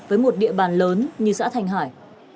với một địa bàn lớn như xã thanh hải